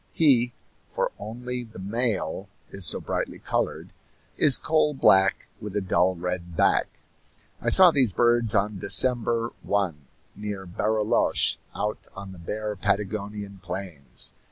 He for only the male is so brightly colored is coal black with a dull red back. I saw these birds on December 1 near Barilloche, out on the bare Patagonian plains.